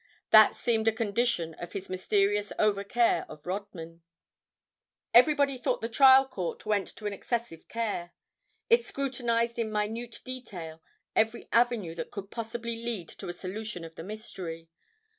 That seemed a condition of his mysterious overcare of Rodman. Everybody thought the trial court went to an excessive care. It scrutinized in minute detail every avenue that could possibly lead to a solution of the mystery.